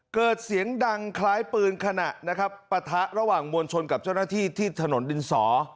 เกิดเสียงดังคล้ายปืนขณะนะครับปะทะระหว่างมวลชนกับเจ้าหน้าที่ที่ถนนดินสอ